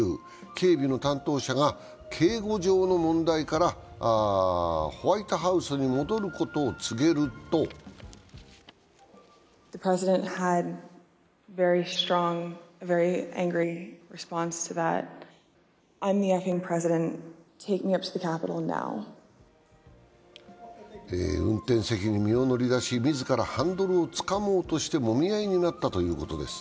警備の担当者が警護上の問題からホワイトハウスに戻ることを告げると運転席に身を乗り出し、自らハンドルをつかもうとしてもみ合いになったということです。